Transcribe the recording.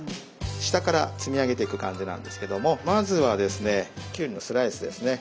下から積み上げてく感じなんですけどもまずはですねきゅうりのスライスですね。